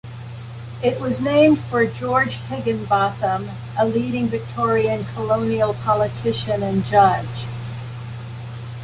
It was named for George Higinbotham, a leading Victorian colonial politician and judge.